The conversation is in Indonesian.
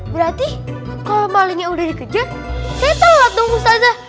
berarti kalau malingnya udah dikejar saya telat dong musazah